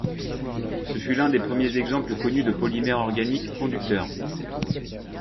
Ce fut l'un des premiers exemples connus de polymère organique conducteur.